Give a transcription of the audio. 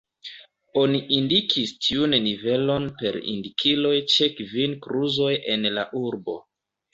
Oni indikis tiun nivelon per indikiloj ĉe kvin kluzoj en la urbo.